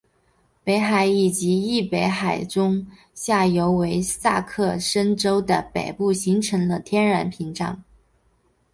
北海以及易北河的中下游为下萨克森州的北部形成了天然屏障。